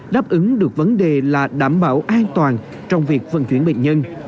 đáp ứng được vấn đề là đảm bảo an toàn trong việc vận chuyển bệnh nhân